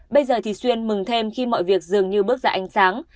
bây giờ thì xuyên mừng thêm khi mọi việc dường như bước ra ánh sáng